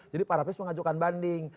jadi para pihak itu mengajukan banding